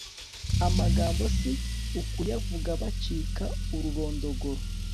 amagambo si ukuyavuga bacika ururondogoro